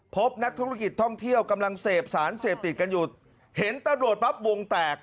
พบนักธุรกิจท่องเที่ยวกำลังเสพสารเสพติดกันอยู่เห็นตำรวจปั๊บวงแตก